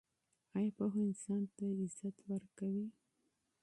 آیا پوهه انسان ته عزت ورکوي؟